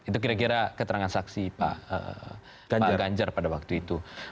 itu kira kira keterangan saksi pak ganjar pada waktu itu